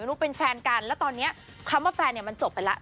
ไม่รู้เป็นแฟนกันแล้วตอนนี้คำว่าแฟนมันจบไปแล้ว